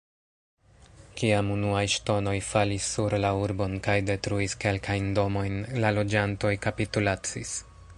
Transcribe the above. Kiam unuaj ŝtonoj falis sur la urbon kaj detruis kelkajn domojn, la loĝantoj kapitulacis.